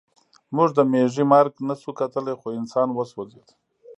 موږ د مېږي مرګ نشو کتلی خو انسان وسوځېد